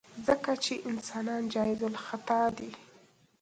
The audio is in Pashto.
ځکه چې انسان جايزالخطا ديه.